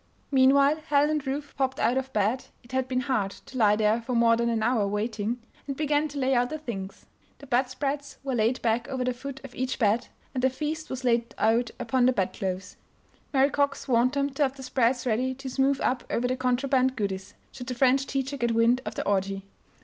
Meanwhile Helen and Ruth popped out of bed (it had been hard to lie there for more than an hour, waiting) and began to lay out the things. The bedspreads were laid back over the foot of each bed and the feast was laid out upon the bed clothes. Mary Cox warned them to have the spreads ready to smooth up over the contraband goodies, should the French teacher get wind of the orgy.